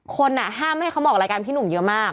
คนห้ามให้เขามาออกรายการพี่หนุ่มเยอะมาก